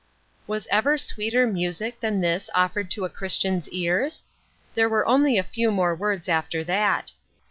Was ever sweeter music than this offered to a Christian's ears ? There were only a few more words after that.